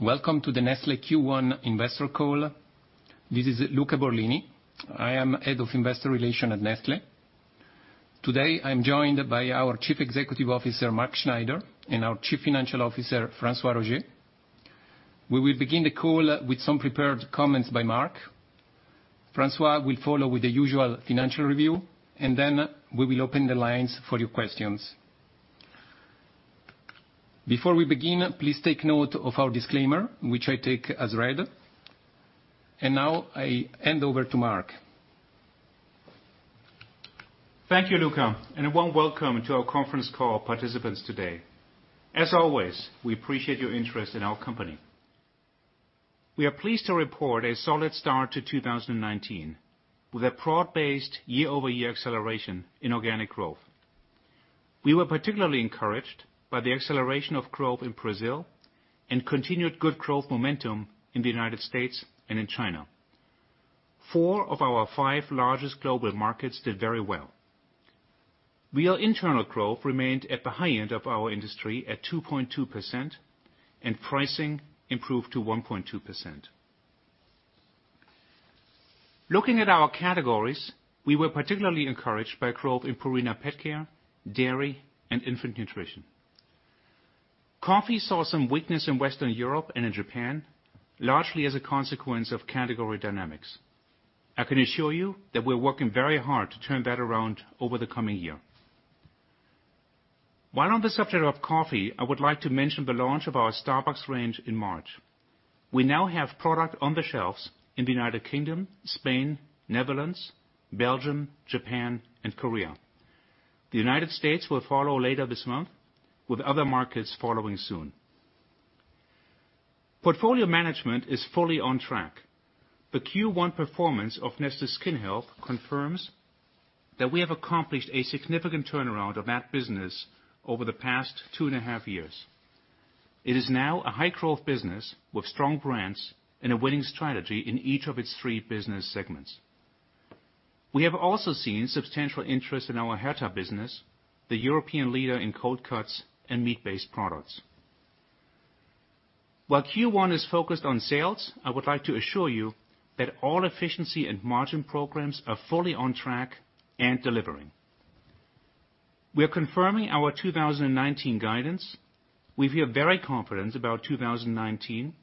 Welcome to the Nestlé Q1 investor call. This is Luca Borlini. I am Head of Investor Relations at Nestlé. Today, I'm joined by our Chief Executive Officer, Mark Schneider, and our Chief Financial Officer, François-Xavier Roger. We will begin the call with some prepared comments by Mark. Then we will open the lines for your questions. Before we begin, please take note of our disclaimer, which I take as read. Now I hand over to Mark. Thank you, Luca. A warm welcome to our conference call participants today. As always, we appreciate your interest in our company. We are pleased to report a solid start to 2019, with a broad-based year-over-year acceleration in organic growth. We were particularly encouraged by the acceleration of growth in Brazil and continued good growth momentum in the U.S. and in China. Four of our five largest global markets did very well. Real internal growth remained at the high end of our industry at 2.2%, Pricing improved to 1.2%. Looking at our categories, we were particularly encouraged by growth in Purina pet care, dairy, and infant nutrition. Coffee saw some weakness in Western Europe and in Japan, largely as a consequence of category dynamics. I can assure you that we're working very hard to turn that around over the coming year. While on the subject of coffee, I would like to mention the launch of our Starbucks range in March. We now have product on the shelves in the U.K., Spain, Netherlands, Belgium, Japan, and Korea. The U.S. will follow later this month, with other markets following soon. Portfolio management is fully on track. The Q1 performance of Nestlé Skin Health confirms that we have accomplished a significant turnaround of that business over the past two and a half years. It is now a high-growth business with strong brands and a winning strategy in each of its three business segments. We have also seen substantial interest in our Herta business, the European leader in cold cuts and meat-based products. While Q1 is focused on sales, I would like to assure you that all efficiency and margin programs are fully on track and delivering. We are confirming our 2019 guidance. We feel very confident about 2019.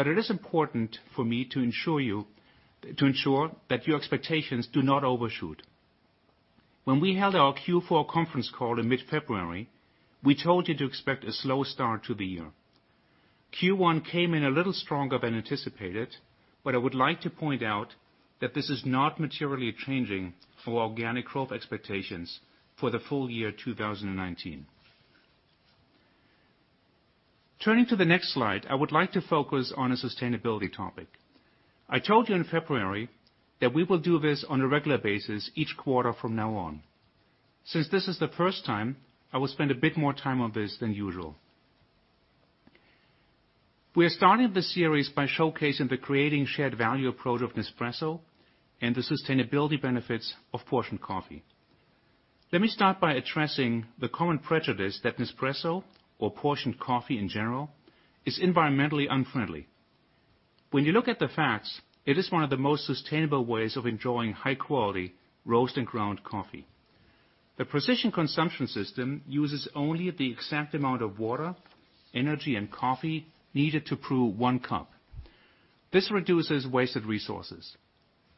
It is important for me to ensure that your expectations do not overshoot. When we held our Q4 conference call in mid-February, we told you to expect a slow start to the year. Q1 came in a little stronger than anticipated, I would like to point out that this is not materially changing for organic growth expectations for the full year 2019. Turning to the next slide, I would like to focus on a sustainability topic. I told you in February that we will do this on a regular basis each quarter from now on. Since this is the first time, I will spend a bit more time on this than usual. We are starting this series by showcasing the Creating Shared Value approach of Nespresso and the sustainability benefits of portioned coffee. Let me start by addressing the common prejudice that Nespresso or portioned coffee in general is environmentally unfriendly. When you look at the facts, it is one of the most sustainable ways of enjoying high-quality roast and ground coffee. The precision consumption system uses only the exact amount of water, energy, and coffee needed to brew one cup. This reduces wasted resources.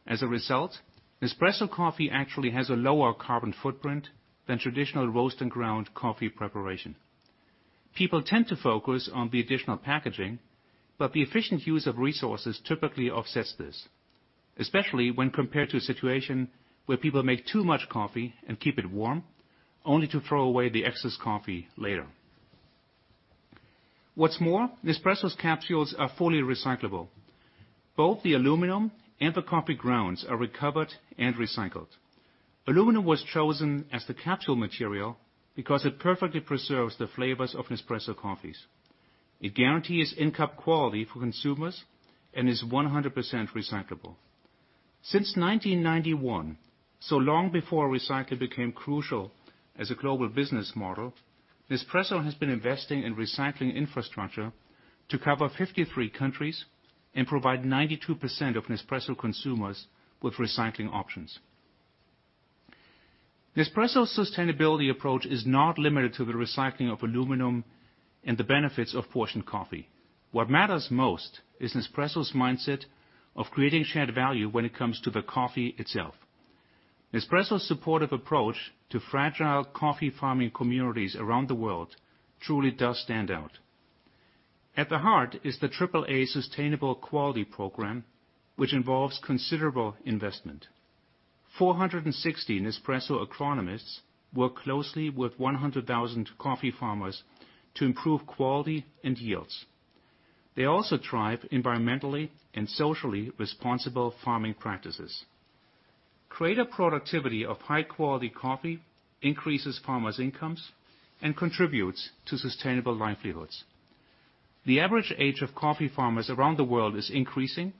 As a result, Nespresso coffee actually has a lower carbon footprint than traditional roast and ground coffee preparation. People tend to focus on the additional packaging, but the efficient use of resources typically offsets this, especially when compared to a situation where people make too much coffee and keep it warm, only to throw away the excess coffee later. What's more, Nespresso's capsules are fully recyclable. Both the aluminum and the coffee grounds are recovered and recycled. Aluminum was chosen as the capsule material because it perfectly preserves the flavors of Nespresso coffees. It guarantees in-cup quality for consumers and is 100% recyclable. Since 1991, so long before recycling became crucial as a global business model, Nespresso has been investing in recycling infrastructure to cover 53 countries and provide 92% of Nespresso consumers with recycling options. Nespresso's sustainability approach is not limited to the recycling of aluminum and the benefits of portioned coffee. What matters most is Nespresso's mindset of Creating Shared Value when it comes to the coffee itself. Nespresso's supportive approach to fragile coffee farming communities around the world truly does stand out. At the heart is the AAA Sustainable Quality Program, which involves considerable investment. 460 Nespresso agronomists work closely with 100,000 coffee farmers to improve quality and yields. They also drive environmentally and socially responsible farming practices. Greater productivity of high-quality coffee increases farmers' incomes and contributes to sustainable livelihoods. The average age of coffee farmers around the world is increasing,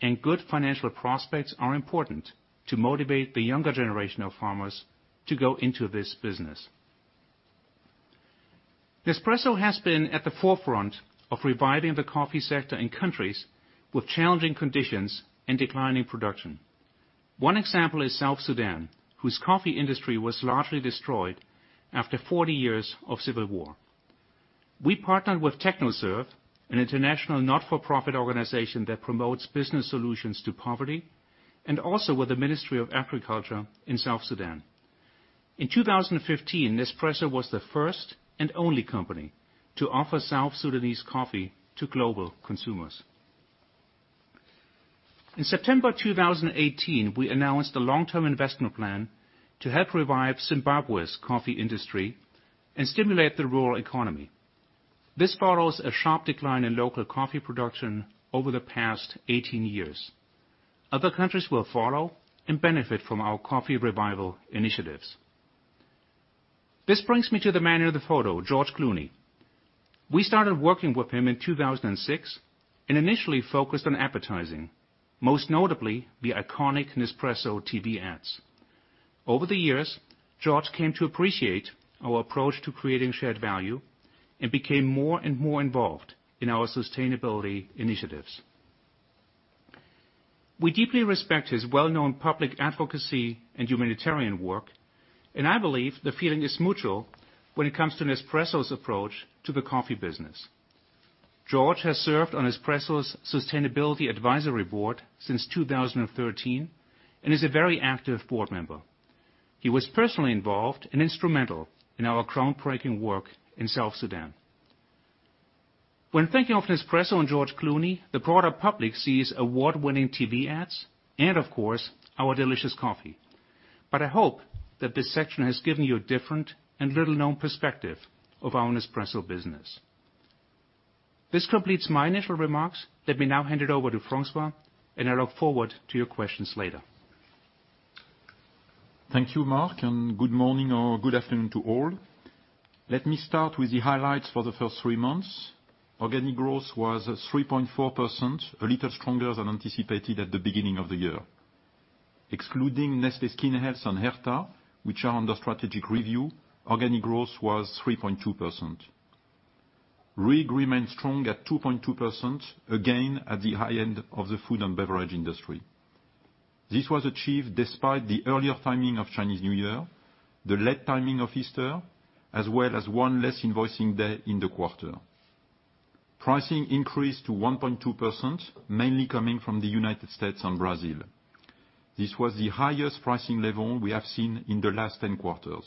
and good financial prospects are important to motivate the younger generation of farmers to go into this business. Nespresso has been at the forefront of reviving the coffee sector in countries with challenging conditions and declining production. One example is South Sudan, whose coffee industry was largely destroyed after 40 years of civil war. We partnered with TechnoServe, an international not-for-profit organization that promotes business solutions to poverty, and also with the Ministry of Agriculture in South Sudan. In 2015, Nespresso was the first and only company to offer South Sudanese coffee to global consumers. In September 2018, we announced a long-term investment plan to help revive Zimbabwe's coffee industry and stimulate the rural economy. This follows a sharp decline in local coffee production over the past 18 years. Other countries will follow and benefit from our coffee revival initiatives. This brings me to the man in the photo, George Clooney. We started working with him in 2006 and initially focused on advertising, most notably the iconic Nespresso TV ads. Over the years, George came to appreciate our approach to Creating Shared Value and became more and more involved in our sustainability initiatives. We deeply respect his well-known public advocacy and humanitarian work, and I believe the feeling is mutual when it comes to Nespresso's approach to the coffee business. George has served on Nespresso's Sustainability Advisory Board since 2013 and is a very active board member. He was personally involved and instrumental in our groundbreaking work in South Sudan. When thinking of Nespresso and George Clooney, the broader public sees award-winning TV ads and, of course, our delicious coffee. I hope that this section has given you a different and little-known perspective of our Nespresso business. This completes my initial remarks. Let me now hand it over to François, and I look forward to your questions later. Thank you, Mark, and good morning or good afternoon to all. Let me start with the highlights for the first three months. Organic growth was 3.4%, a little stronger than anticipated at the beginning of the year. Excluding Nestlé Skin Health and Herta, which are under strategic review, organic growth was 3.2%. RIG remained strong at 2.2%, again at the high end of the food and beverage industry. This was achieved despite the earlier timing of Chinese New Year, the late timing of Easter, as well as one less invoicing day in the quarter. Pricing increased to 1.2%, mainly coming from the United States and Brazil. This was the highest pricing level we have seen in the last 10 quarters.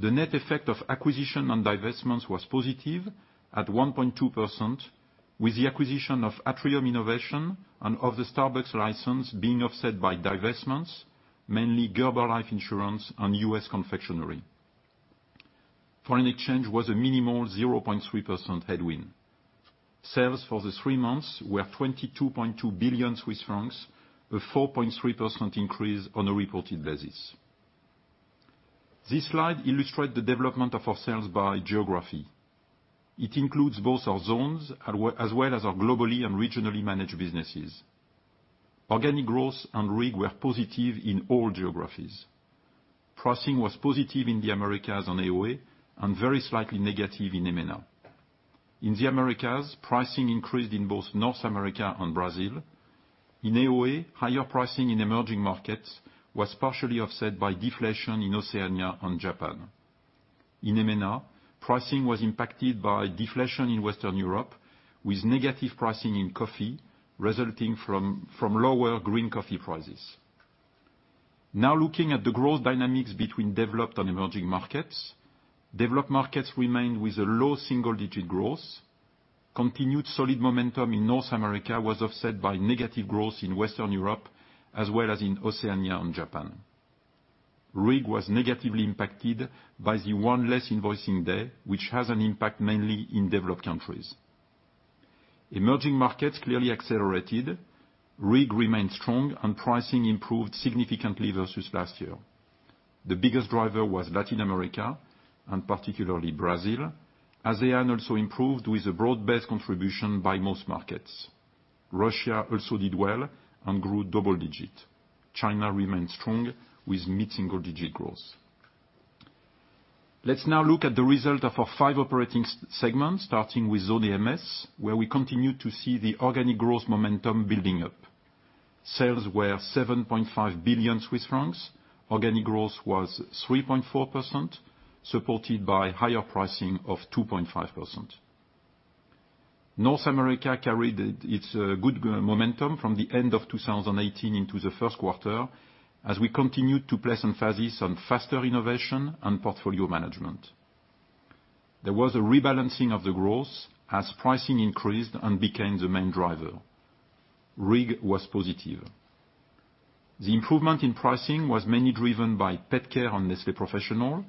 The net effect of acquisition and divestments was positive at 1.2%, with the acquisition of Atrium Innovations and of the Starbucks license being offset by divestments, mainly Gerber Life Insurance and U.S. Confectionery. Foreign exchange was a minimal 0.3% headwind. Sales for the three months were 22.2 billion Swiss francs, a 4.3% increase on a reported basis. This slide illustrates the development of our sales by geography. It includes both our zones as well as our globally and regionally managed businesses. Organic growth and RIG were positive in all geographies. Pricing was positive in the Americas and AOA and very slightly negative in MENA. In the Americas, pricing increased in both North America and Brazil. In AOA, higher pricing in emerging markets was partially offset by deflation in Oceania and Japan. In MENA, pricing was impacted by deflation in Western Europe, with negative pricing in coffee resulting from lower green coffee prices. Looking at the growth dynamics between developed and emerging markets. Developed markets remain with a low single-digit growth. Continued solid momentum in North America was offset by negative growth in Western Europe as well as in Oceania and Japan. RIG was negatively impacted by the one less invoicing day, which has an impact mainly in developed countries. Emerging markets clearly accelerated. RIG remained strong, and pricing improved significantly versus last year. The biggest driver was Latin America, and particularly Brazil. ASEAN also improved with a broad-based contribution by most markets. Russia also did well and grew double digits. China remained strong with mid-single digit growth. Let's now look at the result of our five operating segments, starting with Zone AMS, where we continue to see the organic growth momentum building up. Sales were 7.5 billion Swiss francs. Organic growth was 3.4%, supported by higher pricing of 2.5%. North America carried its good momentum from the end of 2018 into the first quarter as we continued to place emphasis on faster innovation and portfolio management. There was a rebalancing of the growth as pricing increased and became the main driver. RIG was positive. The improvement in pricing was mainly driven by Pet Care and Nestlé Professional.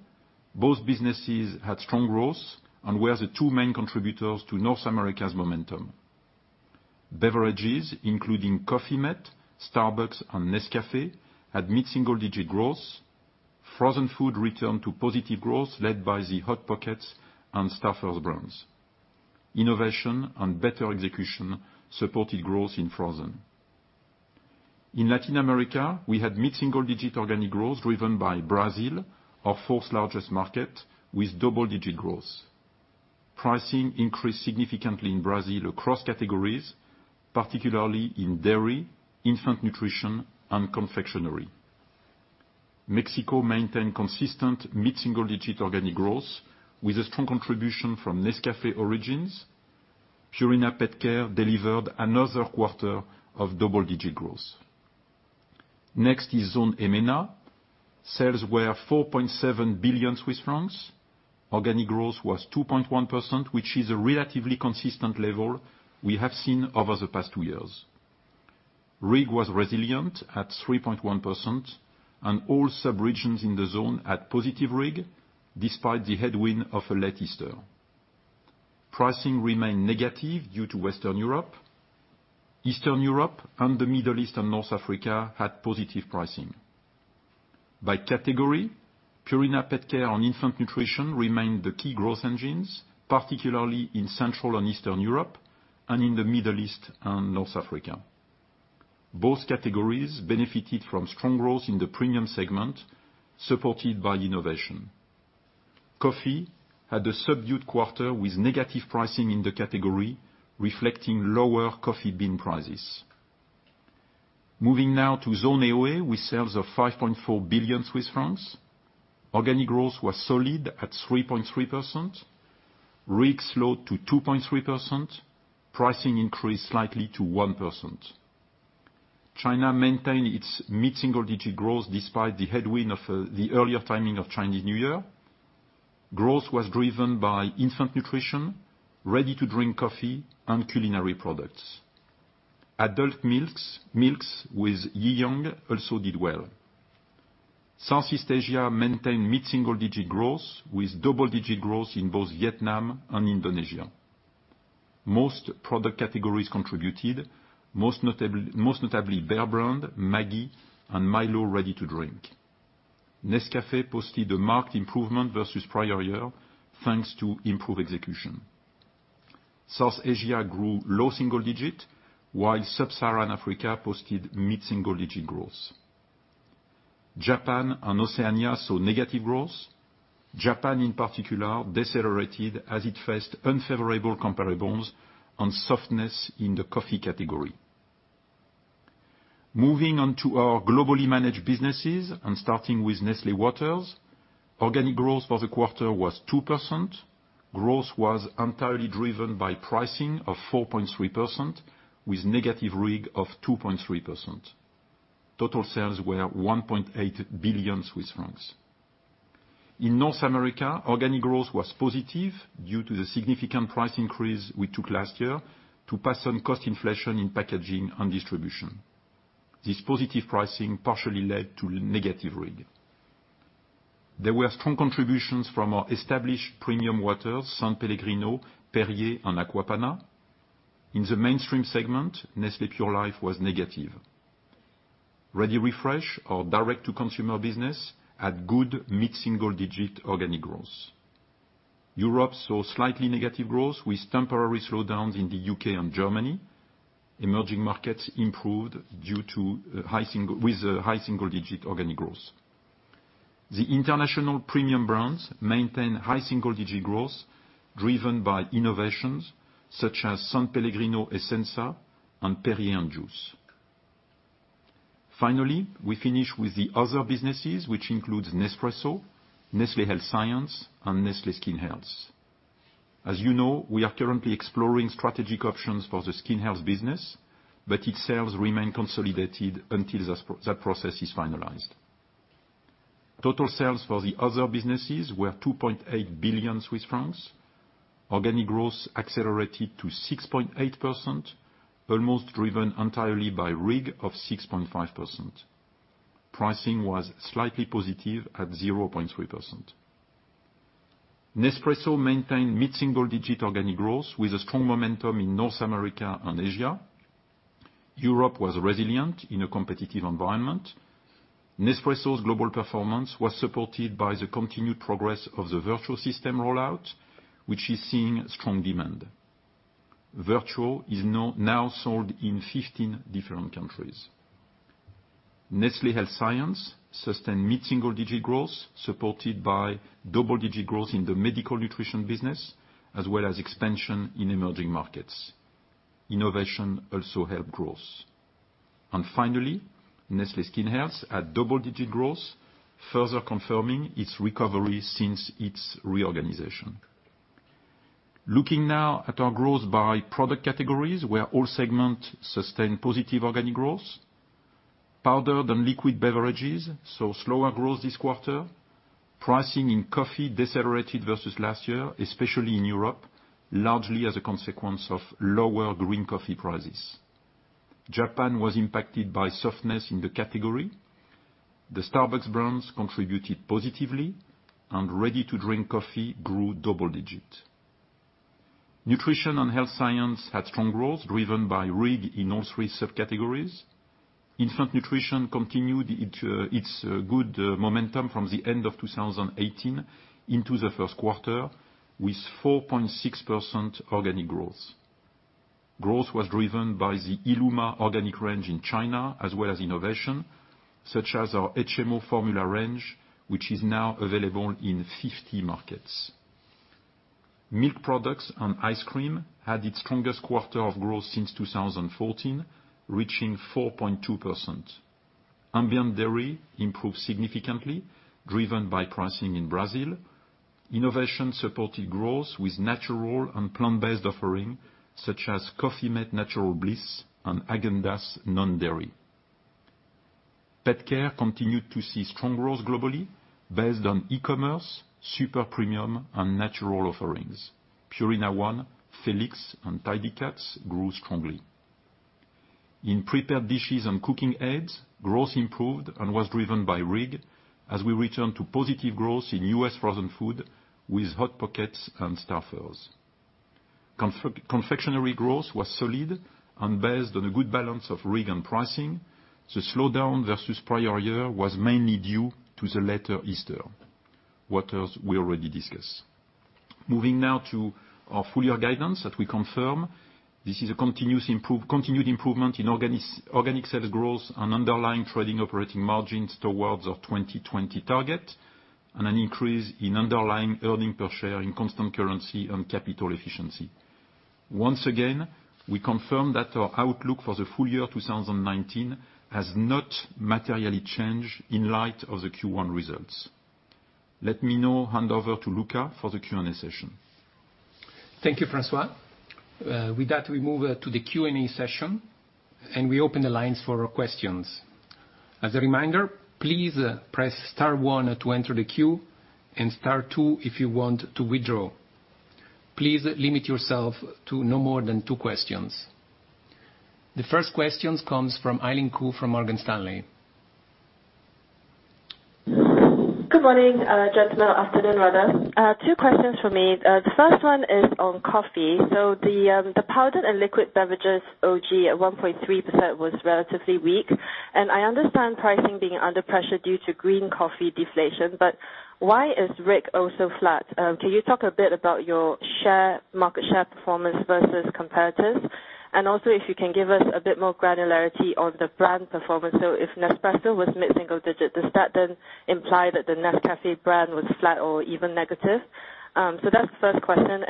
Both businesses had strong growth and were the two main contributors to North America's momentum. Beverages, including Coffee-mate, Starbucks, and Nescafé, had mid-single digit growth. Frozen food returned to positive growth led by the Hot Pockets and Stouffer's brands. Innovation and better execution supported growth in frozen. In Latin America, we had mid-single digit organic growth driven by Brazil, our fourth largest market, with double-digit growth. Pricing increased significantly in Brazil across categories, particularly in dairy, infant nutrition, and confectionery. Mexico maintained consistent mid-single digit organic growth with a strong contribution from Nescafé Origins. Purina PetCare delivered another quarter of double-digit growth. Next is Zone EMENA. Sales were 4.7 billion Swiss francs. Organic growth was 2.1%, which is a relatively consistent level we have seen over the past two years. RIG was resilient at 3.1%, and all sub-regions in the zone had positive RIG, despite the headwind of a late Easter. Pricing remained negative due to Western Europe. Eastern Europe and the Middle East and North Africa had positive pricing. By category, Purina PetCare and infant nutrition remained the key growth engines, particularly in Central and Eastern Europe and in the Middle East and North Africa. Both categories benefited from strong growth in the premium segment, supported by innovation. Coffee had a subdued quarter with negative pricing in the category, reflecting lower coffee bean prices. Moving now to Zone AOA, with sales of 5.4 billion Swiss francs. Organic growth was solid at 3.3%. RIG slowed to 2.3%. Pricing increased slightly to 1%. China maintained its mid-single digit growth despite the headwind of the earlier timing of Chinese New Year. Growth was driven by infant nutrition, ready-to-drink coffee, and culinary products. Adult milks with Yinlu also did well. Southeast Asia maintained mid-single digit growth, with double-digit growth in both Vietnam and Indonesia. Most product categories contributed, most notably Bear Brand, Maggi, and Milo ready-to-drink. Nescafé posted a marked improvement versus prior year, thanks to improved execution. South Asia grew low single digit, while sub-Saharan Africa posted mid-single digit growth. Japan and Oceania saw negative growth. Japan, in particular, decelerated as it faced unfavorable comparables and softness in the coffee category. Moving on to our globally managed businesses and starting with Nestlé Waters. Organic growth for the quarter was 2%. Growth was entirely driven by pricing of 4.3%, with negative RIG of 2.3%. Total sales were 1.8 billion Swiss francs. In North America, organic growth was positive due to the significant price increase we took last year to pass on cost inflation in packaging and distribution. This positive pricing partially led to negative RIG. There were strong contributions from our established premium waters, S.Pellegrino, Perrier, and Acqua Panna. In the mainstream segment, Nestlé Pure Life was negative. ReadyRefresh, our direct-to-consumer business, had good mid-single digit organic growth. Europe saw slightly negative growth with temporary slowdowns in the U.K. and Germany. Emerging markets improved with a high single-digit organic growth. The international premium brands maintain high single-digit growth, driven by innovations such as S.Pellegrino Essenza and Perrier & Juice. Finally, we finish with the other businesses, which includes Nespresso, Nestlé Health Science, and Nestlé Skin Health. As you know, we are currently exploring strategic options for the skin health business, but its sales remain consolidated until that process is finalized. Total sales for the other businesses were 2.8 billion Swiss francs. Organic growth accelerated to 6.8%, almost driven entirely by RIG of 6.5%. Pricing was slightly positive at 0.3%. Nespresso maintained mid-single digit organic growth with a strong momentum in North America and Asia. Europe was resilient in a competitive environment. Nespresso's global performance was supported by the continued progress of the Vertuo system rollout, which is seeing strong demand. Vertuo is now sold in 15 different countries. Nestlé Health Science sustained mid-single digit growth, supported by double-digit growth in the medical nutrition business, as well as expansion in emerging markets. Innovation also helped growth. Finally, Nestlé Skin Health had double-digit growth, further confirming its recovery since its reorganization. Looking now at our growth by product categories, where all segments sustained positive organic growth. Powdered and liquid beverages saw slower growth this quarter. Pricing in coffee decelerated versus last year, especially in Europe, largely as a consequence of lower green coffee prices. Japan was impacted by softness in the category. The Starbucks brands contributed positively and ready-to-drink coffee grew double digits. Nutrition & Health Science had strong growth, driven by RIG in all three subcategories. Infant nutrition continued its good momentum from the end of 2018 into the first quarter, with 4.6% organic growth. Growth was driven by the illuma organic range in China as well as innovation such as our HMO formula range, which is now available in 50 markets. Milk products and ice cream had its strongest quarter of growth since 2014, reaching 4.2%. Ambient dairy improved significantly, driven by pricing in Brazil. Innovation supported growth with natural and plant-based offering such as Coffee mate Natural Bliss and Häagen-Dazs Non-Dairy. PetCare continued to see strong growth globally based on e-commerce, super premium and natural offerings. Purina ONE, Felix and Tidy Cats grew strongly. In prepared dishes and cooking aids, growth improved and was driven by RIG as we return to positive growth in U.S. frozen food with Hot Pockets and Stouffer's. Confectionery growth was solid and based on a good balance of RIG and pricing. The slowdown versus prior year was mainly due to the later Easter. Moving now to our full-year guidance that we confirm. This is a continued improvement in organic sales growth and underlying trading operating margins towards our 2020 target, and an increase in underlying earning per share in constant currency and capital efficiency. Once again, we confirm that our outlook for the full year 2019 has not materially changed in light of the Q1 results. Let me now hand over to Luca for the Q&A session. Thank you, François. With that, we move to the Q&A session, and we open the lines for questions. As a reminder, please press star one to enter the queue, and star two if you want to withdraw. Please limit yourself to no more than two questions. The first question comes from Eileen Khoo from Morgan Stanley. Good morning, gentlemen. Afternoon, rather. Two questions from me. The first one is on coffee. The powdered and liquid beverages OG at 1.3% was relatively weak. I understand pricing being under pressure due to green coffee deflation, why is RIG also flat? Can you talk a bit about your market share performance versus competitors? Also if you can give us a bit more granularity on the brand performance. If Nespresso was mid-single digit, does that then imply that the Nescafé brand was flat or even negative? That's the first question.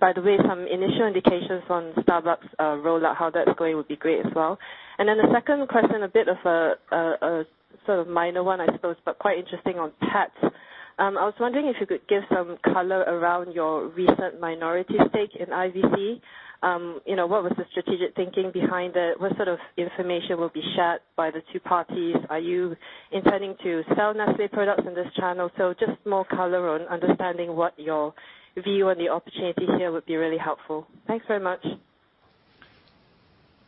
By the way, some initial indications on Starbucks rollout, how that's going would be great as well. The second question, a bit of a sort of minor one I suppose, but quite interesting on pets. I was wondering if you could give some color around your recent minority stake in IVC. What was the strategic thinking behind it? What sort of information will be shared by the two parties? Are you intending to sell Nestlé products in this channel? Just more color on understanding what your view on the opportunity here would be really helpful. Thanks very much.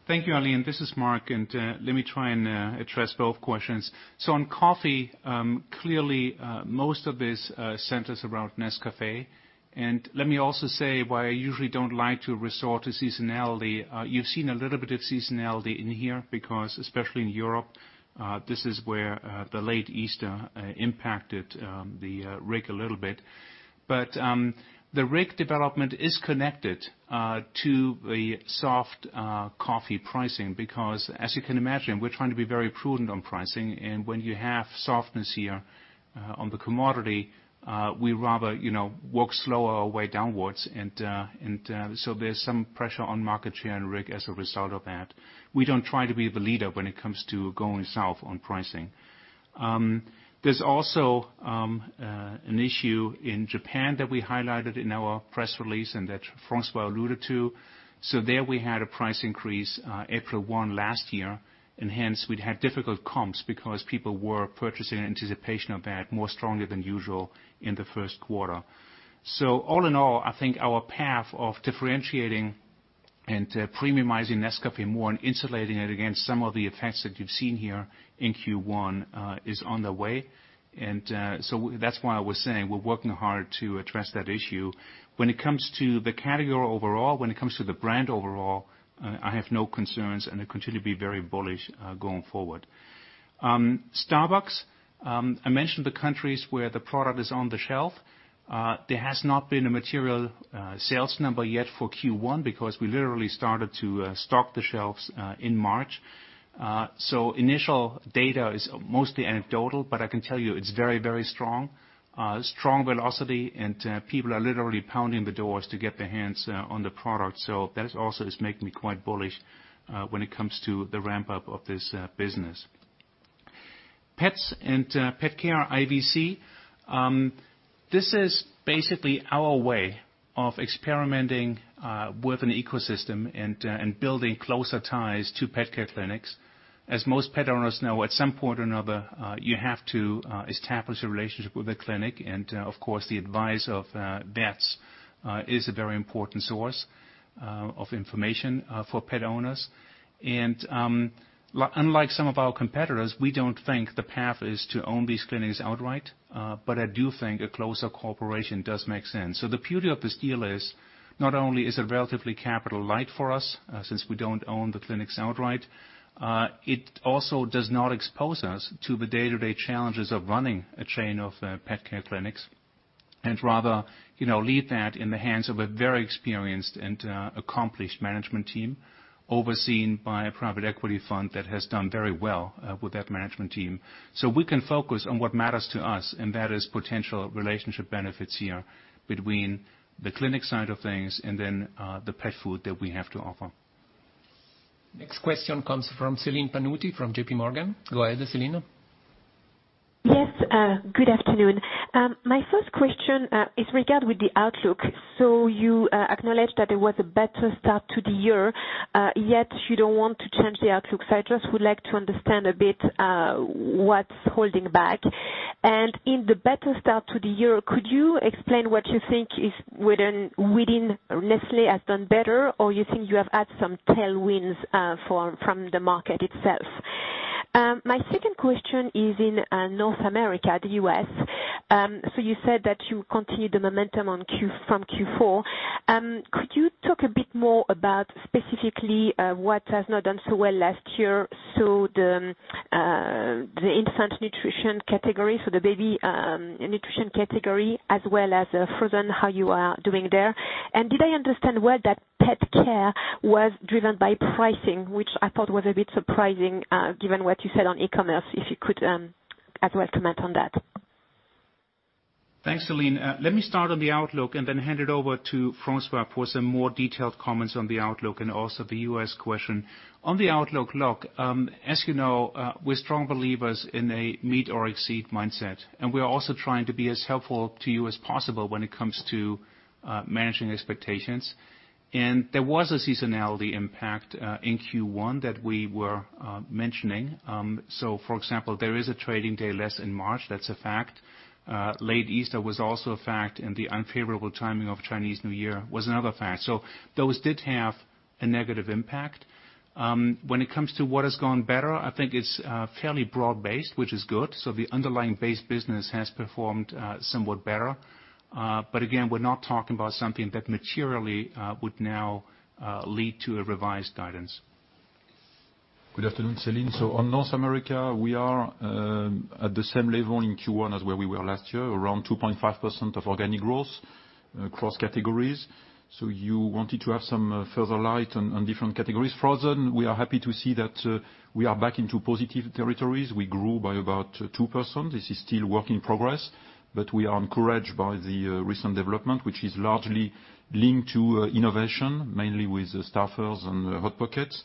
Thank you, Eileen. This is Mark, let me try and address both questions. On coffee, clearly, most of this centers around Nescafé. Let me also say why I usually don't like to resort to seasonality. You've seen a little bit of seasonality in here because especially in Europe, this is where the late Easter impacted the RIG a little bit. The RIG development is connected to the soft coffee pricing because as you can imagine, we're trying to be very prudent on pricing. When you have softness here on the commodity, we rather walk slower way downwards. There's some pressure on market share and RIG as a result of that. We don't try to be the leader when it comes to going south on pricing. There's also an issue in Japan that we highlighted in our press release and that François alluded to. There we had a price increase April 1 last year. Hence we'd had difficult comps because people were purchasing in anticipation of that more strongly than usual in the first quarter. All in all, I think our path of differentiating and premiumizing Nescafé more and insulating it against some of the effects that you've seen here in Q1 is on the way. That's why I was saying we're working hard to address that issue. When it comes to the category overall, when it comes to the brand overall, I have no concerns and I continue to be very bullish going forward. Starbucks, I mentioned the countries where the product is on the shelf. There has not been a material sales number yet for Q1 because we literally started to stock the shelves in March. Initial data is mostly anecdotal, but I can tell you it's very strong. Strong velocity, people are literally pounding the doors to get their hands on the product. That also is making me quite bullish when it comes to the ramp-up of this business. Pets and PetCare IVC. This is basically our way of experimenting with an ecosystem and building closer ties to pet care clinics. As most pet owners know, at some point or another, you have to establish a relationship with the clinic. Of course, the advice of vets is a very important source of information for pet owners. Unlike some of our competitors, we don't think the path is to own these clinics outright. I do think a closer cooperation does make sense. The beauty of this deal is not only is it relatively capital light for us, since we don't own the clinics outright, it also does not expose us to the day-to-day challenges of running a chain of pet care clinics. Rather leave that in the hands of a very experienced and accomplished management team, overseen by a private equity fund that has done very well with that management team. We can focus on what matters to us, and that is potential relationship benefits here between the clinic side of things and then the pet food that we have to offer. Next question comes from Celine Pannuti from JPMorgan. Go ahead, Celine. Yes. Good afternoon. My first question is regard with the outlook. You acknowledged that there was a better start to the year, yet you don't want to change the outlook. I just would like to understand a bit, what's holding back. In the better start to the year, could you explain what you think is within Nestlé has done better, or you think you have had some tailwinds from the market itself? My second question is in North America, the U.S. You said that you continued the momentum from Q4. Could you talk a bit more about specifically what has not done so well last year? So the infant nutrition category, so the baby nutrition category as well as frozen, how you are doing there. Did I understand well that pet care was driven by pricing, which I thought was a bit surprising, given what you said on e-commerce, if you could as well comment on that. Thanks, Celine. Let me start on the outlook and then hand it over to François for some more detailed comments on the outlook and also the U.S. question. On the outlook, look, as you know, we're strong believers in a meet or exceed mindset. We are also trying to be as helpful to you as possible when it comes to managing expectations. There was a seasonality impact in Q1 that we were mentioning. For example, there is a trading day less in March. That's a fact. Late Easter was also a fact, and the unfavorable timing of Chinese New Year was another fact. Those did have a negative impact. When it comes to what has gone better, I think it's fairly broad based, which is good. The underlying base business has performed somewhat better. Again, we're not talking about something that materially would now lead to a revised guidance. Good afternoon, Celine. On North America, we are at the same level in Q1 as where we were last year, around 2.5% of organic growth across categories. You wanted to have some further light on different categories. Frozen, we are happy to see that we are back into positive territories. We grew by about 2%. This is still work in progress, but we are encouraged by the recent development, which is largely linked to innovation, mainly with Stouffer's and Hot Pockets.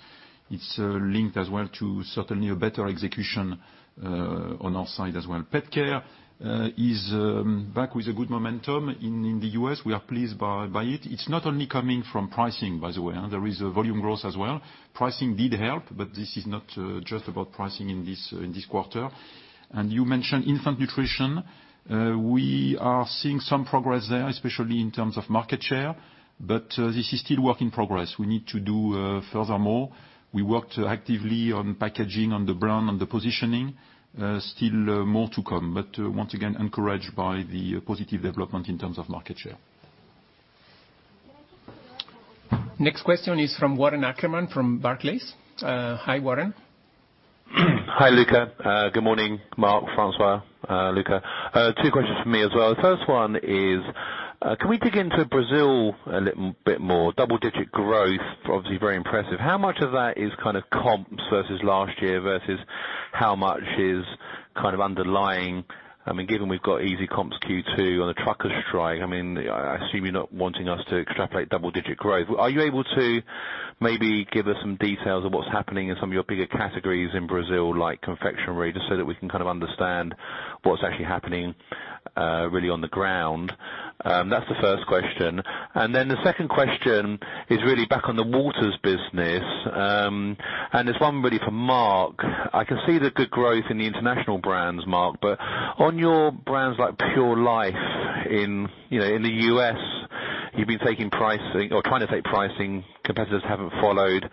It's linked as well to certainly a better execution on our side as well. Pet care is back with a good momentum in the U.S. We are pleased by it. It's not only coming from pricing, by the way. There is volume growth as well. Pricing did help, but this is not just about pricing in this quarter. You mentioned infant nutrition. We are seeing some progress there, especially in terms of market share. This is still work in progress. We need to do furthermore. We worked actively on packaging, on the brand, on the positioning. Still more to come, once again, encouraged by the positive development in terms of market share. Next question is from Warren Ackerman from Barclays. Hi, Warren. Hi, Luca. Good morning, Mark, François, Luca. Two questions from me as well. First one is, can we dig into Brazil a little bit more? Double-digit growth, obviously very impressive. How much of that is comps versus last year versus how much is underlying? Given we've got easy comps Q2 on the truckers' strike, I assume you're not wanting us to extrapolate double-digit growth. Are you able to maybe give us some details on what's happening in some of your bigger categories in Brazil, like confectionery, just so that we can understand what's actually happening really on the ground? That's the first question. The second question is really back on the waters business. It's one really for Mark. I can see the good growth in the international brands, Mark, but on your brands like Pure Life in the U.S., you've been taking price or trying to take pricing, competitors haven't followed.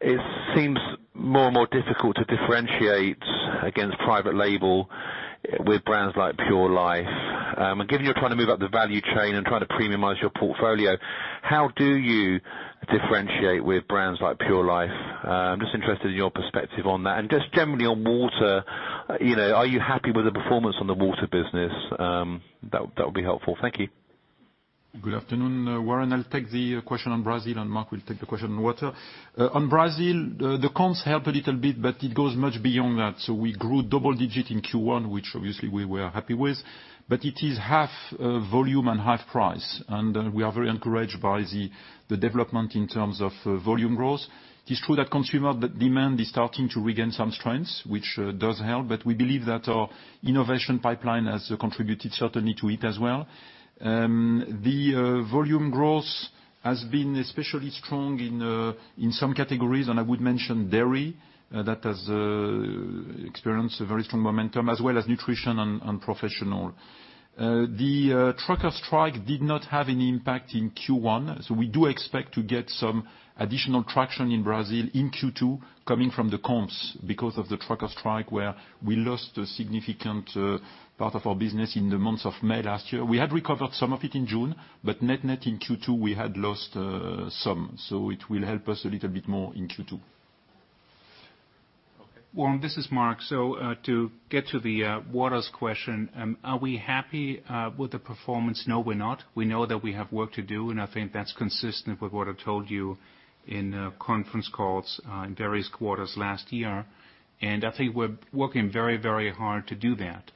It seems more and more difficult to differentiate against private label with brands like Pure Life. Given you're trying to move up the value chain and trying to premiumize your portfolio, how do you differentiate with brands like Pure Life? I'm just interested in your perspective on that. Just generally on water, are you happy with the performance on the water business? That would be helpful. Thank you. Good afternoon, Warren. I'll take the question on Brazil. Mark will take the question on water. On Brazil, the comps helped a little bit. It goes much beyond that. We grew double-digit in Q1, which obviously we were happy with, but it is half volume and half price. We are very encouraged by the development in terms of volume growth. It is true that consumer demand is starting to regain some strengths, which does help, but we believe that our innovation pipeline has contributed certainly to it as well. The volume growth has been especially strong in some categories. I would mention dairy, that has experienced a very strong momentum as well as nutrition and professional. The truckers strike did not have any impact in Q1. We do expect to get some additional traction in Brazil in Q2 coming from the comps because of the truckers strike, where we lost a significant part of our business in the month of May last year. We had recovered some of it in June, but net in Q2, we had lost some. It will help us a little bit more in Q2. Warren, this is Mark. To get to the waters question, are we happy with the performance? No, we are not. We know that we have work to do, and I think that is consistent with what I have told you in conference calls in various quarters last year. I think we are working very hard to do that.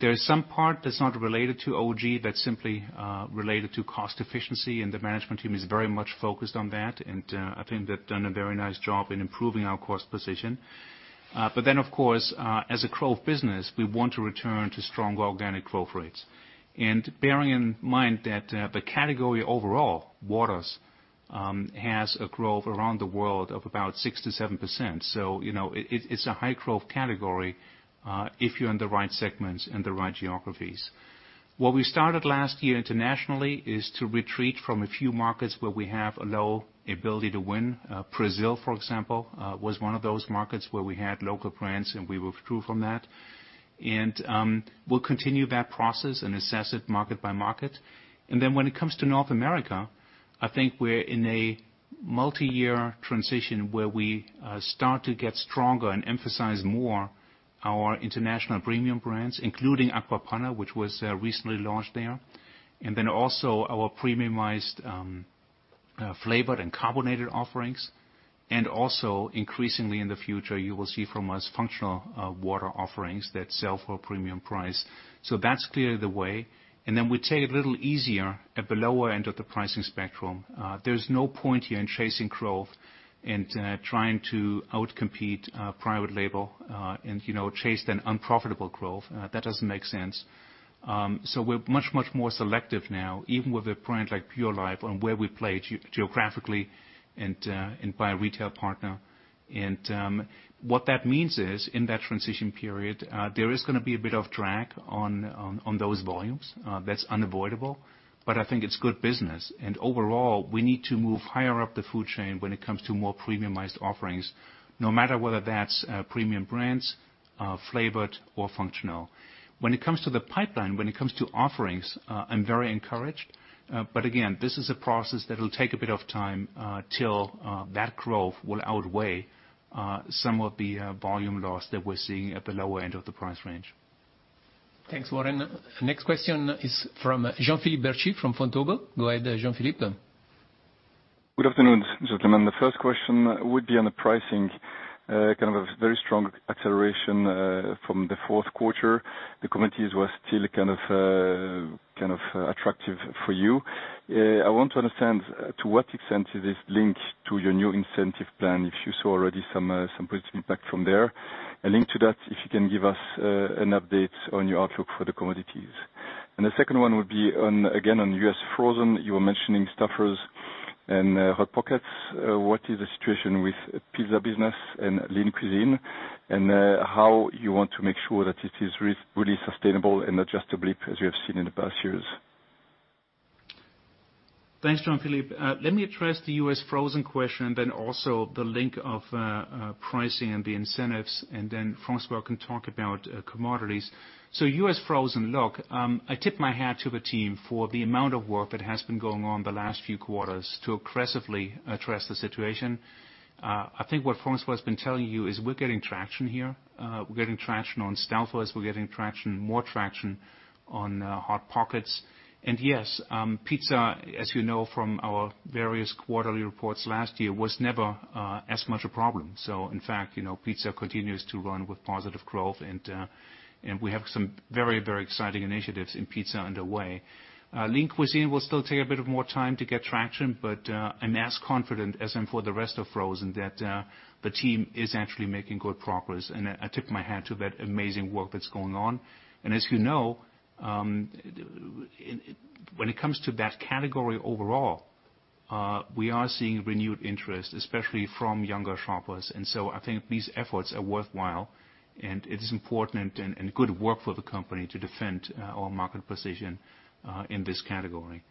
There is some part that is not related to OG, that is simply related to cost efficiency, and the management team is very much focused on that. I think they have done a very nice job in improving our cost position. Then, of course, as a growth business, we want to return to strong organic growth rates. Bearing in mind that the category overall, waters, has a growth around the world of about 6%-7%. It is a high-growth category, if you are in the right segments and the right geographies. What we started last year internationally is to retreat from a few markets where we have a low ability to win. Brazil, for example, was one of those markets where we had local brands, and we withdrew from that. We will continue that process and assess it market by market. When it comes to North America, I think we are in a multi-year transition where we start to get stronger and emphasize more our international premium brands, including Acqua Panna, which was recently launched there. Also our premiumized flavored and carbonated offerings. Increasingly in the future, you will see from us functional water offerings that sell for a premium price. That is clearly the way. We take it a little easier at the lower end of the pricing spectrum. There is no point here in chasing growth and trying to out-compete private label, and chase then unprofitable growth. That does not make sense. We are much more selective now, even with a brand like Pure Life and where we play geographically and by retail partner. What that means is, in that transition period, there is going to be a bit of drag on those volumes. That is unavoidable, but I think it is good business. Overall, we need to move higher up the food chain when it comes to more premiumized offerings, no matter whether that is premium brands, flavored or functional. When it comes to the pipeline, when it comes to offerings, I am very encouraged. This is a process that will take a bit of time till that growth will outweigh some of the volume loss that we are seeing at the lower end of the price range. Thanks, Warren. Next question is from Jean-Philippe Bertschi from Bertschy. Go ahead, Jean-Philippe. Good afternoon, gentlemen. The first question would be on the pricing. A very strong acceleration from the fourth quarter. The commodities were still attractive for you. I want to understand, to what extent is this linked to your new incentive plan, if you saw already some positive impact from there? Linked to that, if you can give us an update on your outlook for the commodities. The second one would be on, again, on U.S. frozen. You were mentioning Stouffer's and Hot Pockets. What is the situation with pizza business and Lean Cuisine, and how you want to make sure that it is really sustainable and not just a blip as you have seen in the past years? Thanks, Jean-Philippe. Let me address the U.S. frozen question, then also the link of pricing and the incentives, then François can talk about commodities. U.S. frozen, look, I tip my hat to the team for the amount of work that has been going on the last few quarters to aggressively address the situation. I think what François has been telling you is we're getting traction here. We're getting traction on Stouffer's, we're getting more traction on Hot Pockets. Yes, pizza, as you know from our various quarterly reports last year, was never as much a problem. In fact, pizza continues to run with positive growth and we have some very exciting initiatives in pizza underway. Lean Cuisine will still take a bit of more time to get traction, but I'm as confident as I am for the rest of frozen that the team is actually making good progress. I tip my hat to that amazing work that's going on. As you know, when it comes to that category overall, we are seeing renewed interest, especially from younger shoppers. I think these efforts are worthwhile, and it is important and good work for the company to defend our market position in this category.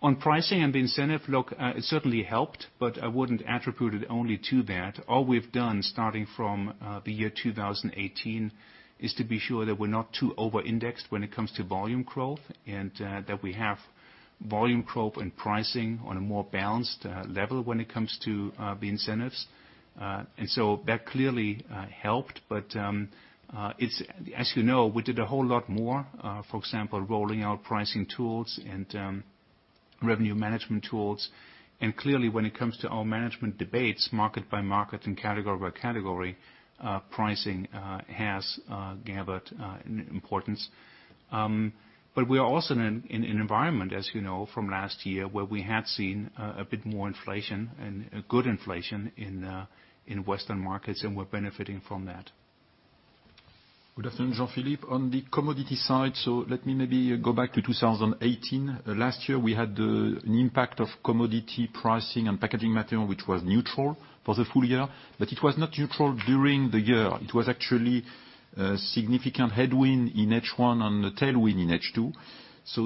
On pricing and the incentive, look, it certainly helped, but I wouldn't attribute it only to that. All we've done starting from the year 2018 is to be sure that we're not too over-indexed when it comes to volume growth, and that we have volume growth and pricing on a more balanced level when it comes to the incentives. That clearly helped, but as you know, we did a whole lot more. For example, rolling out pricing tools and revenue management tools. Clearly when it comes to our management debates, market by market and category by category, pricing has gathered importance. We are also in an environment, as you know from last year, where we had seen a bit more inflation and good inflation in Western markets, and we're benefiting from that. Good afternoon, Jean-Philippe. On the commodity side, let me maybe go back to 2018. Last year, we had an impact of commodity pricing and packaging material, which was neutral for the full year. It was not neutral during the year. It was actually a significant headwind in H1 and a tailwind in H2.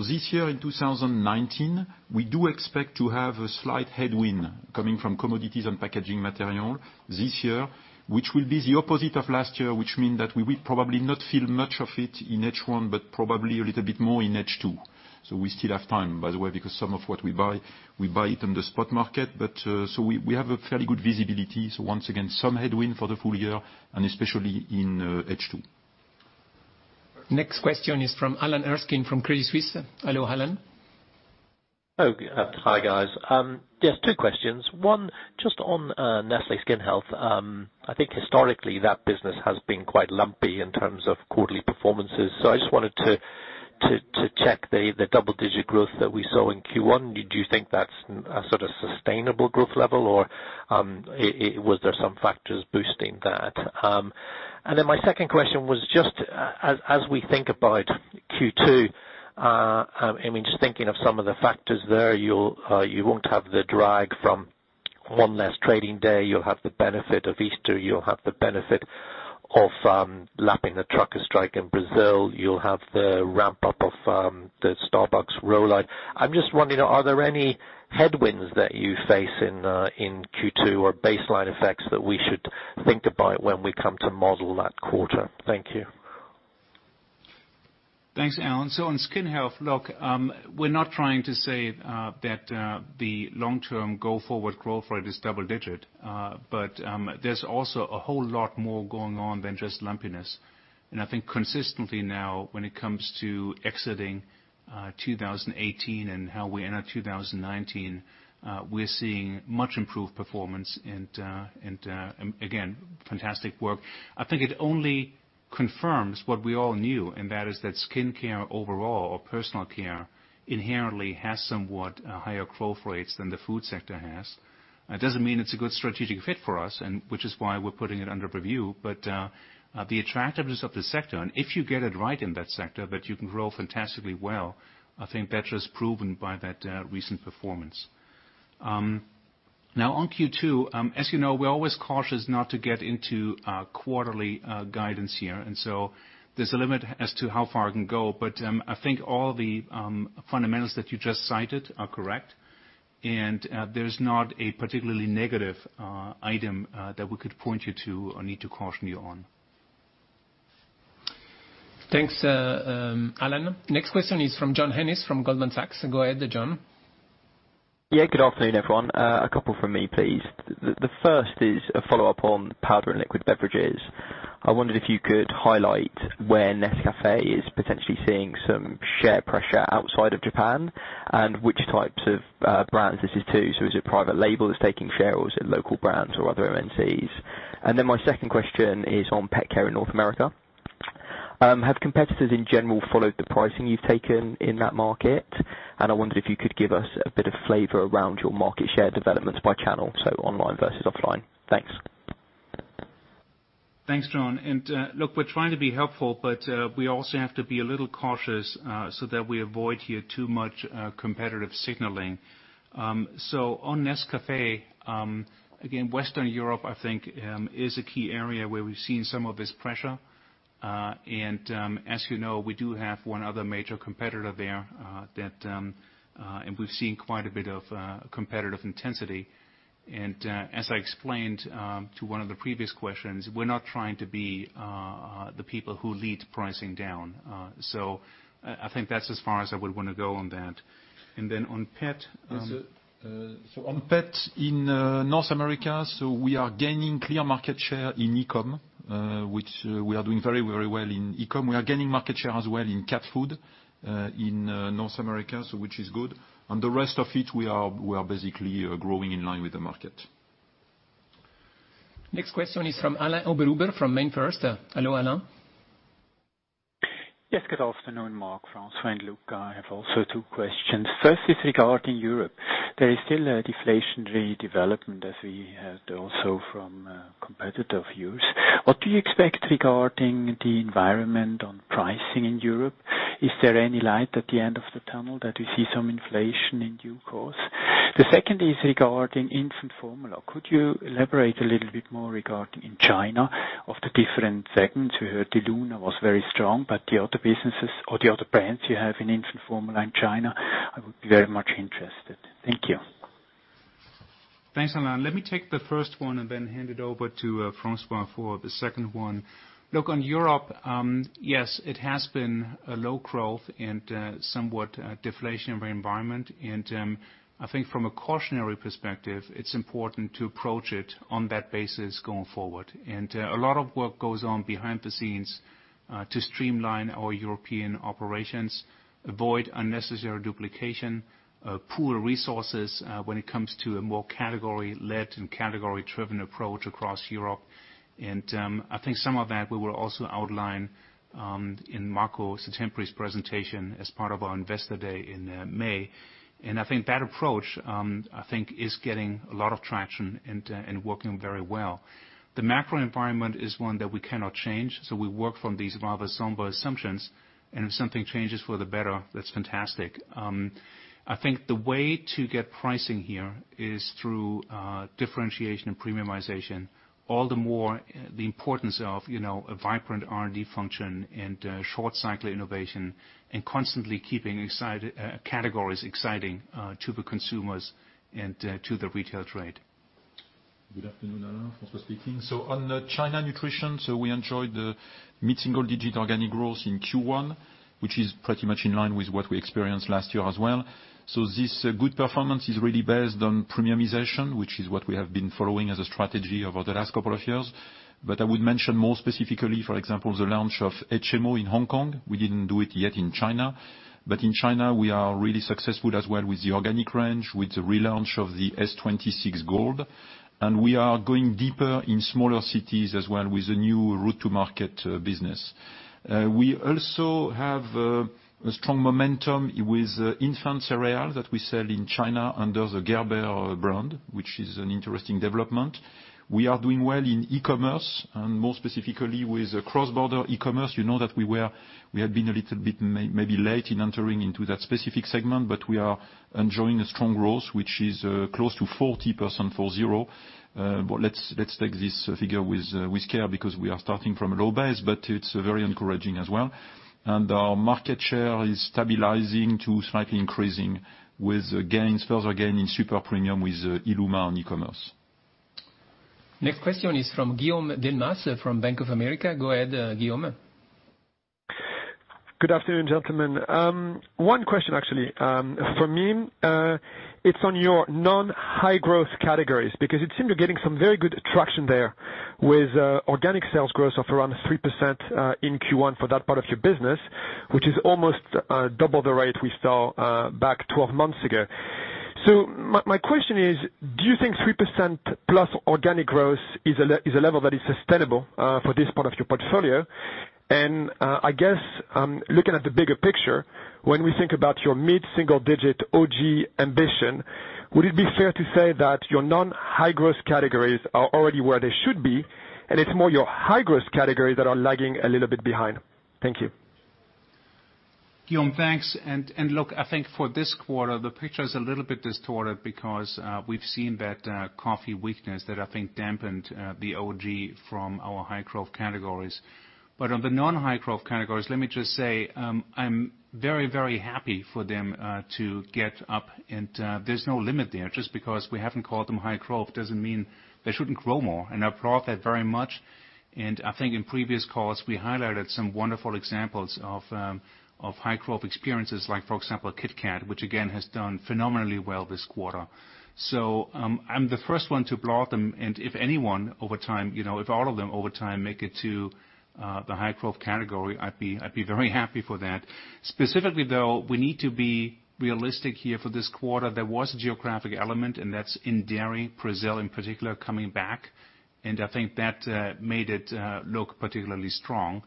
This year in 2019, we do expect to have a slight headwind coming from commodities and packaging material this year, which will be the opposite of last year. Which mean that we will probably not feel much of it in H1, but probably a little bit more in H2. We still have time, by the way, because some of what we buy, we buy it on the spot market. We have a fairly good visibility. Once again, some headwind for the full year and especially in H2. Next question is from Alan Erskine from Credit Suisse. Hello, Alan. Hi guys. Yes, two questions. One just on Nestlé Skin Health. I think historically that business has been quite lumpy in terms of quarterly performances. I just wanted to check the double-digit growth that we saw in Q1. Do you think that's a sort of sustainable growth level, or was there some factors boosting that? My second question was just as we think about Q2, just thinking of some of the factors there, you won't have the drag from one less trading day, you'll have the benefit of Easter, you'll have the benefit of lapping the trucker strike in Brazil, you'll have the ramp-up of the Starbucks roll-out. I'm just wondering, are there any headwinds that you face in Q2 or baseline effects that we should think about when we come to model that quarter? Thank you. Thanks, Alan. On Skin Health, look, we're not trying to say that the long-term go-forward growth rate is double digit. There's also a whole lot more going on than just lumpiness. I think consistently now when it comes to exiting 2018 and how we enter 2019, we're seeing much improved performance and again, fantastic work. I think it only confirms what we all knew, and that is that skin care overall or personal care inherently has somewhat higher growth rates than the food sector has. It doesn't mean it's a good strategic fit for us, and which is why we're putting it under review. The attractiveness of the sector, and if you get it right in that sector, bet you can grow fantastically well. I think that is proven by that recent performance. On Q2, as you know, we're always cautious not to get into quarterly guidance here. There's a limit as to how far I can go. I think all the fundamentals that you just cited are correct. There's not a particularly negative item that we could point you to or need to caution you on. Thanks, Alan. Next question is from Jon Henes from Goldman Sachs. Go ahead, Jon. Good afternoon, everyone. A couple from me, please. The first is a follow-up on powder and liquid beverages. I wondered if you could highlight where Nescafé is potentially seeing some share pressure outside of Japan and which types of brands this is to. Is it private label that's taking share or is it local brands or other MNCs? My second question is on pet care in North America. Have competitors in general followed the pricing you've taken in that market? I wondered if you could give us a bit of flavor around your market share developments by channel, online versus offline. Thanks. Thanks, Jon. Look, we're trying to be helpful, but we also have to be a little cautious, so that we avoid here too much competitive signaling. On Nescafé, again, Western Europe I think is a key area where we've seen some of this pressure. As you know, we do have one other major competitor there. We've seen quite a bit of competitive intensity. As I explained to one of the previous questions, we're not trying to be the people who lead pricing down. I think that's as far as I would want to go on that. On pet in North America, we are gaining clear market share in e-commerce, which we are doing very well in e-commerce. We are gaining market share as well in cat food in North America, so which is good. On the rest of it, we are basically growing in line with the market. Next question is from Alain Oberhuber from MainFirst. Hello, Alain. Yes, good afternoon, Mark, François, and Luca. I have also two questions. First is regarding Europe. There is still a deflationary development as we heard also from competitor views. What do you expect regarding the environment on pricing in Europe? Is there any light at the end of the tunnel that we see some inflation in due course? The second is regarding infant formula. Could you elaborate a little bit more regarding in China of the different segments? We heard the illuma was very strong, but the other businesses or the other brands you have in infant formula in China, I would be very much interested. Thank you. Thanks, Alain. Let me take the first one and then hand it over to François for the second one. Look, on Europe, yes, it has been a low growth and somewhat deflationary environment. I think from a cautionary perspective, it's important to approach it on that basis going forward. A lot of work goes on behind the scenes to streamline our European operations, avoid unnecessary duplication, pool resources when it comes to a more category-led and category-driven approach across Europe. I think some of that we will also outline in Marco Settembri's presentation as part of our investor day in May. I think that approach is getting a lot of traction and working very well. The macro environment is one that we cannot change, so we work from these rather somber assumptions, and if something changes for the better, that's fantastic. I think the way to get pricing here is through differentiation and premiumization. All the more the importance of a vibrant R&D function and short cycle innovation and constantly keeping categories exciting to the consumers and to the retail trade. Good afternoon, Alain. François speaking. On the China nutrition, we enjoyed mid-single digit organic growth in Q1, which is pretty much in line with what we experienced last year as well. This good performance is really based on premiumization, which is what we have been following as a strategy over the last couple of years. I would mention more specifically, for example, the launch of HMO in Hong Kong. We didn't do it yet in China. In China, we are really successful as well with the organic range, with the relaunch of the S-26 Gold, and we are going deeper in smaller cities as well with the new route-to-market business. We also have a strong momentum with infant cereal that we sell in China under the Gerber brand, which is an interesting development. We are doing well in e-commerce, and more specifically with cross-border e-commerce. You know that we had been a little bit maybe late in entering into that specific segment, but we are enjoying a strong growth, which is close to 40%. Let's take this figure with care because we are starting from a low base, but it's very encouraging as well. Our market share is stabilizing to slightly increasing with gains, further gain in super premium with Illuma on e-commerce. Next question is from Guillaume Delmas from Bank of America. Go ahead, Guillaume. Good afternoon, gentlemen. One question, actually. For me, it's on your non-high growth categories, because it seemed you're getting some very good traction there with organic sales growth of around 3% in Q1 for that part of your business, which is almost double the rate we saw back 12 months ago. My question is, do you think 3% plus organic growth is a level that is sustainable for this part of your portfolio? I guess looking at the bigger picture, when we think about your mid-single digit OG ambition, would it be fair to say that your non-high growth categories are already where they should be, and it's more your high growth categories that are lagging a little bit behind? Thank you. Guillaume, thanks. Look, I think for this quarter, the picture is a little bit distorted because we've seen that coffee weakness that I think dampened the OG from our high growth categories. On the non-high growth categories, let me just say, I'm very, very happy for them to get up, and there's no limit there. Just because we haven't called them high growth, doesn't mean they shouldn't grow more. I applaud that very much. I think in previous calls, we highlighted some wonderful examples of high growth experiences, like for example, KitKat, which again, has done phenomenally well this quarter. I'm the first one to applaud them, and if anyone over time, if all of them over time make it to the high growth category, I'd be very happy for that. Specifically, though, we need to be realistic here. For this quarter, there was a geographic element, that's in dairy, Brazil in particular, coming back. I think that made it look particularly strong.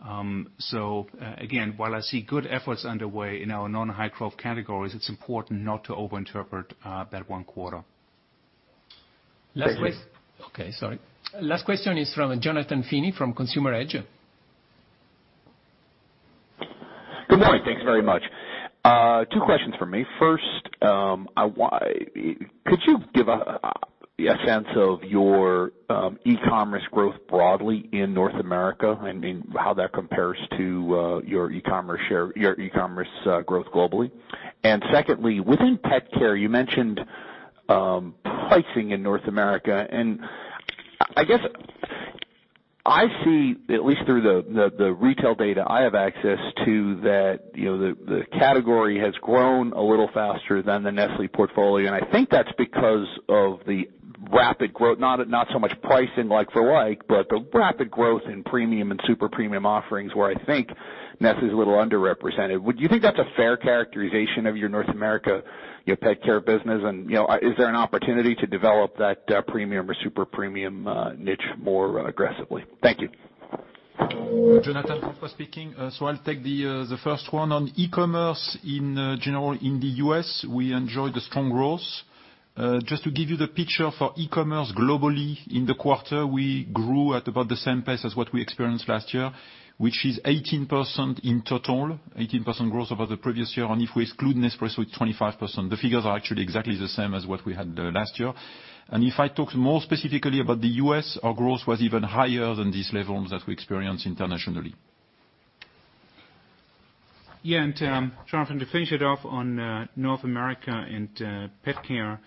Again, while I see good efforts underway in our non-high growth categories, it's important not to over interpret that one quarter. Thank you. Okay, sorry. Last question is from Jonathan Feeney from Consumer Edge. Good morning. Thanks very much. Two questions from me. First, could you give a sense of your e-commerce growth broadly in North America, and how that compares to your e-commerce growth globally? Secondly, within PetCare, you mentioned pricing in North America. I guess I see, at least through the retail data I have access to, that the category has grown a little faster than the Nestlé portfolio. I think that's because of the rapid growth, not so much pricing like for like, but the rapid growth in premium and super premium offerings where I think Nestlé's a little underrepresented. Would you think that's a fair characterization of your North America PetCare business? Is there an opportunity to develop that premium or super premium niche more aggressively? Thank you. Jonathan, François speaking. I'll take the first one on e-commerce in general in the U.S., we enjoyed a strong growth. Just to give you the picture for e-commerce globally in the quarter, we grew at about the same pace as what we experienced last year, which is 18% in total, 18% growth over the previous year. If we exclude Nespresso, it's 25%. The figures are actually exactly the same as what we had last year. If I talk more specifically about the U.S., our growth was even higher than these levels that we experience internationally. Jonathan, to finish it off on North America and PetCare.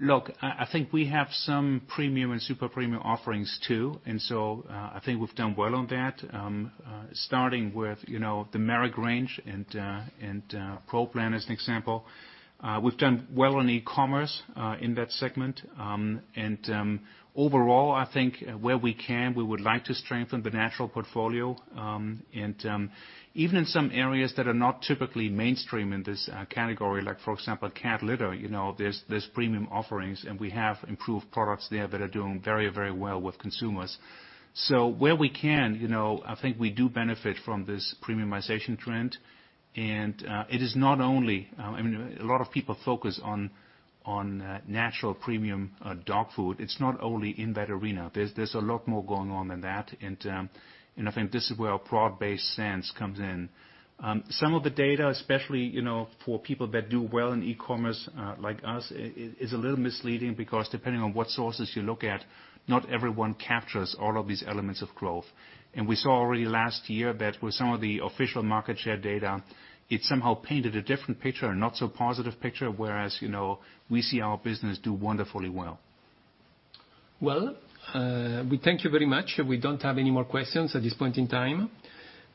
Look, I think we have some premium and super premium offerings, too. I think we've done well on that. Starting with the Merrick range and Pro Plan as an example. We've done well on e-commerce in that segment. Overall, I think where we can, we would like to strengthen the natural portfolio, even in some areas that are not typically mainstream in this category, like for example, cat litter, there's premium offerings. We have improved products there that are doing very, very well with consumers. Where we can, I think we do benefit from this premiumization trend. A lot of people focus on natural premium dog food. It's not only in that arena. There's a lot more going on than that. I think this is where our broad-based stance comes in. Some of the data, especially for people that do well in e-commerce, like us, is a little misleading because depending on what sources you look at, not everyone captures all of these elements of growth. We saw already last year that with some of the official market share data, it somehow painted a different picture, a not so positive picture, whereas we see our business do wonderfully well. Well, we thank you very much. We don't have any more questions at this point in time.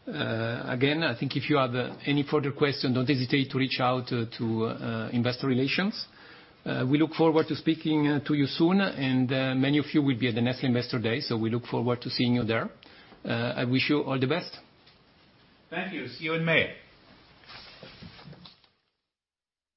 Again, I think if you have any further questions, don't hesitate to reach out to investor relations. We look forward to speaking to you soon. Many of you will be at the Nestlé Investor Day, we look forward to seeing you there. I wish you all the best. Thank you. See you in May.